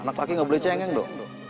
anak laki gak boleh cengeng dong